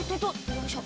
よいしょ。